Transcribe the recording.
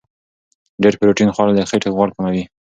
ډېر پروتین خوړل د خېټې غوړ کموي.